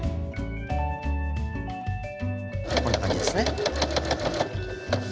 こんな感じですね。